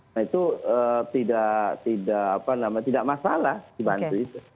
nah itu tidak masalah dibantu itu